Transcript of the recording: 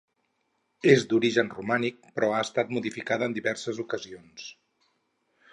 És d'origen romànic però ha estat modificada en diverses ocasions.